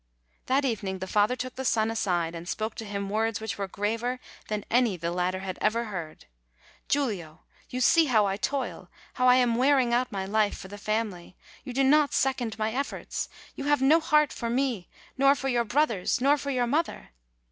That evening the father took the son aside, and spoke to him words which were graver than any the latter had ever heard. "Giulio, you see how I toil, how I am wearing out my life, for the family. You do not second my efforts. You have no heart for me, nor for your brothers, nor for your mother!"